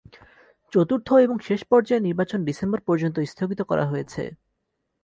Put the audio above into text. চতুর্থ এবং শেষ পর্যায়ের নির্বাচন ডিসেম্বর পর্যন্ত স্থগিত করা হয়েছে।